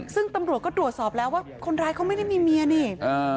ซึ่งตำรวจก็ตรวจสอบแล้วว่าคนร้ายเขาไม่ได้มีเมียนี่